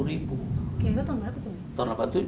itu tahun berapa tuh umi